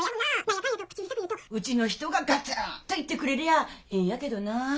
うちの人がガツンと言ってくれりゃあええんやけどなあ。